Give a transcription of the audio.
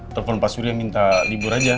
telepon pak surya minta libur aja